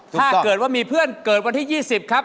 ถ้าเกิดว่ามีเพื่อนเกิดวันที่๒๐ครับ